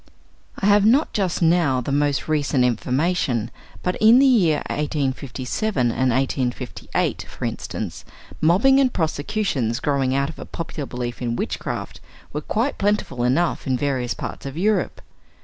I have not just now the most recent information, but in the year 1857 and 1858, for instance, mobbing and prosecutions growing out of a popular belief in witchcraft were quite plentiful enough in various parts of Europe.